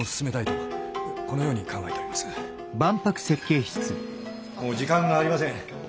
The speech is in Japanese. もう時間がありません。